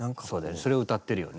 それを歌ってるよね。